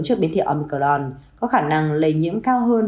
cho biến thiệu omicron có khả năng lây nhiễm cao hơn